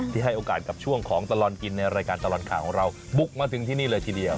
ให้โอกาสกับช่วงของตลอดกินในรายการตลอดข่าวของเราบุกมาถึงที่นี่เลยทีเดียว